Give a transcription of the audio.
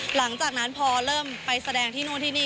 หลังจากนั้นพอเริ่มไปแสดงที่นู่นที่นี่